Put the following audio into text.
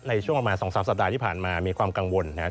ในช่วงประมาณ๒๓สัปดาห์ที่ผ่านมามีความกังวลนะครับ